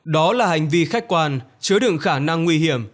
đó là hành vi khách quan chứa đựng khả năng nguy hiểm